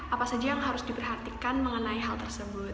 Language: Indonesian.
apa saja yang harus diperhatikan mengenai hal tersebut